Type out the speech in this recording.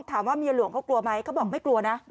ถามว่าเมียหลวงเขากลัวไหมเขาบอกไม่กลัวนะ